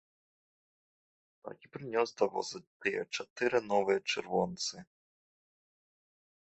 Так і прынёс да воза тыя чатыры новыя чырвонцы.